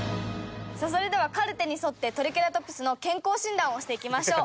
それではカルテに沿ってトリケラトプスの健康診断をしていきましょう。